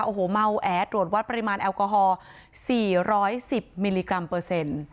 โอ้โหเมาแอตรวจวัดปริมาณแอลกอฮอล์๔๑๐มิลลิกรัมเปอร์เซ็นต์